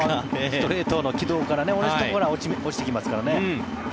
ストレートの軌道から同じところに落ちてきますからね。